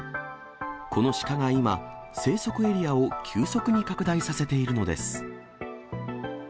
このシカが今、生息エリアを急速に拡大させているのです。